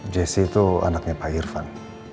jessy itu anaknya pak irvan